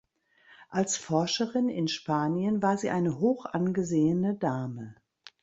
Als Forscherin in Spanien war sie eine hochangesehene Dame.